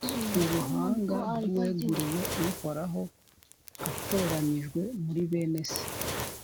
uruhanga rw’uweguriwe uhoraho atoranyijwe muri bene se.